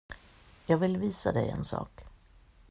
Jag vill visa dig en sak.